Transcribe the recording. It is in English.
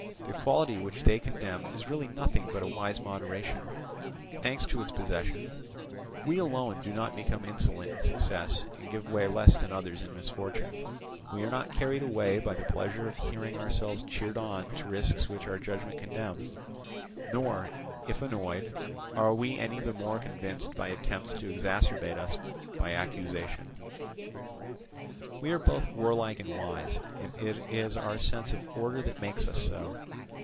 The quality which they condemn is really nothing but a wise moderation; thanks to its possession, we alone do not become insolent in success and give way less than others in misfortune; we are not carried away by the pleasure of hearing ourselves cheered on to risks which our judgment condemns; nor, if annoyed, are we any the more convinced by attempts to exasperate us by accusation. We are both warlike and wise, and it is our sense of order that makes us so.